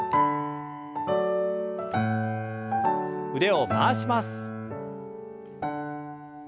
腕を回します。